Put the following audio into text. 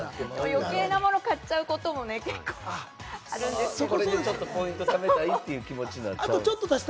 余計なものを買っちゃうことも結構ね、あるんですけどね。